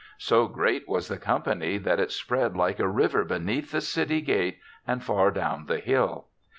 So great was the company that it spread like a river beneath the city gate and far down the hill.